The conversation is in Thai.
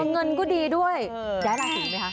เงินก็ดีด้วยย้ายราศีไหมคะ